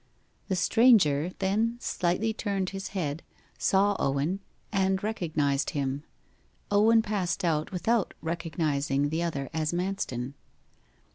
The stranger then slightly turned his head, saw Owen, and recognized him. Owen passed out without recognizing the other as Manston.